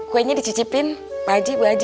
kuenya dicicipin pak aji ibu aji